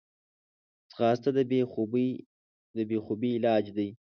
ځغاسته د بېخوبي علاج دی